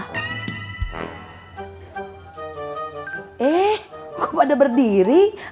eh kok pada berdiri